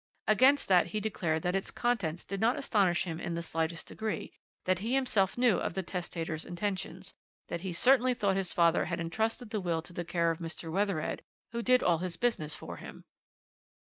Against that he declared that its contents did not astonish him in the slightest degree, that he himself knew of the testator's intentions, but that he certainly thought his father had entrusted the will to the care of Mr. Wethered, who did all his business for him.